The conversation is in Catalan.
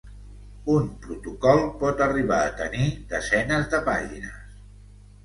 Un protocol pot arribar a tenir desenes de pàgines.